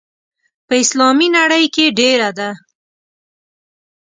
په اسلامي نړۍ کې ډېره ده.